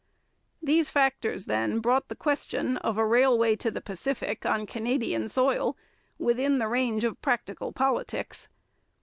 These factors, then, brought the question of a railway to the Pacific on Canadian soil within the range of practical politics.